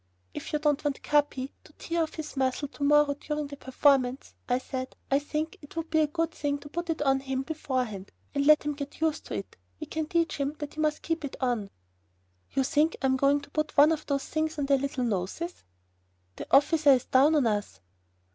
"If you don't want Capi to tear off his muzzle to morrow during the performance," I said, "I think it would be a good thing to put it on him beforehand, and let him get used to it. We can teach him that he must keep it on." "You think I am going to put one of those things on their little noses?" "The officer is down on us."